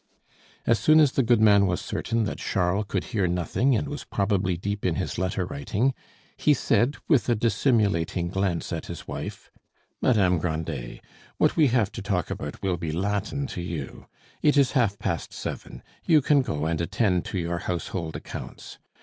As soon as the goodman was certain that Charles could hear nothing and was probably deep in his letter writing, he said, with a dissimulating glance at his wife, "Madame Grandet, what we have to talk about will be Latin to you; it is half past seven; you can go and attend to your household accounts.